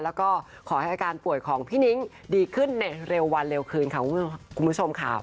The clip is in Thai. แล้วก็ขอให้อาการป่วยของพี่นิ้งดีขึ้นในเร็ววันเร็วคืนค่ะคุณผู้ชมค่ะ